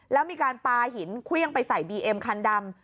แล้วมีการปลาหินเครื่องไปใส่บีเอ็มคันดำ